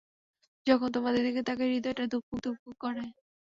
যখন তোমাদের দিকে তাকাই, হৃদয়টা ধুকপুক ধুকপুক করে।